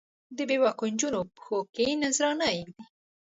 د بې باکو نجونو پښو کې نذرانه ږدي